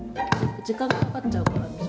時間かかっちゃうから。